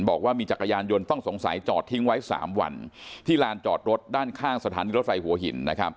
บอกว่ามีจักรยานยนต์ต้องสงสัยจอดทิ้งไว้๓วันที่ลานจอดรถด้านข้างสถานีรถไฟหัวหิน